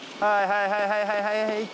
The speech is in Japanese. はいはいはいはい！